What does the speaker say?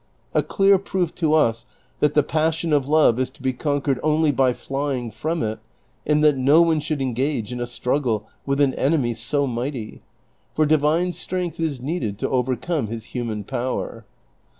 A clear proof to us that the passion of love is to be conquei'ed only by flying from it, and that no one should engage in a struggle with an enemy so mighty; for divine strength is needed to overcome his human power.